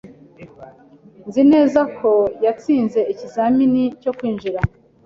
Nzi neza ko yatsinze ikizamini cyo kwinjira.